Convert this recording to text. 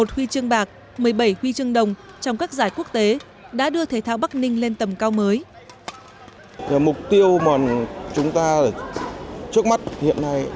một huy chương bạc một mươi bảy huy chương đồng trong các giải quốc tế đã đưa thể thao bắc ninh lên tầm cao mới